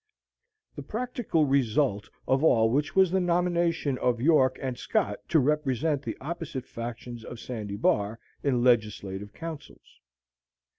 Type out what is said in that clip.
The practical result of all which was the nomination of York and Scott to represent the opposite factions of Sandy Bar in legislative councils.